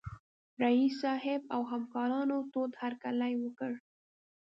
رييس صاحب او همکارانو تود هرکلی وکړ.